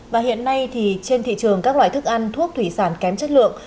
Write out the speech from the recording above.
và hiện nay thì trên thị trường các loại thức ăn thuốc thủy sản kém chất lượng